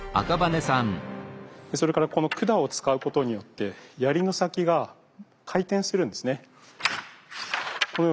それからこの管を使うことによって槍の先が回転するんですね。